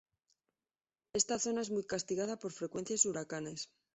Esta zona es muy castigada por frecuentes huracanes.